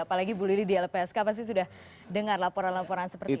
apalagi bu lili di lpsk pasti sudah dengar laporan laporan seperti itu